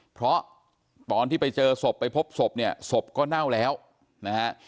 เพราะตอนที่ไปเจอศพไปพบศพเนี่ยศพก็เน่าแล้วนะฮะ